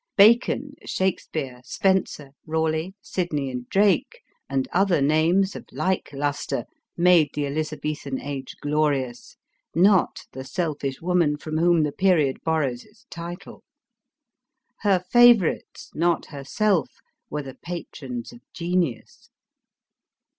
Bacon, Shakspeare, Spenser, Raleigh, Sydney and Drake, and other names of like lustre, made the Eliza bethan age glorious, not the selfish woman from whom the period borrows its title. Her favorites, not her self, were the patrons of genius.